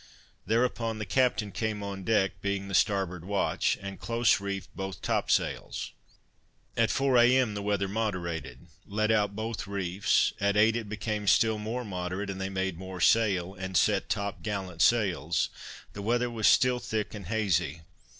Thereupon the captain came on deck, being the starboard watch, and close reefed both top sails. At four A. M. the weather moderated let out both reefs: at eight it became still more moderate, and they made more sail, and set top gallant sails; the weather was still thick and hazy.